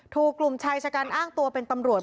ถูกกลุ่มชายชะกันอ้างตัวเป็นตำรวจ